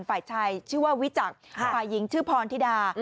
ฝ่ายชายชื่อว่าวิจักรฝ่ายหญิงชื่อพรธิดา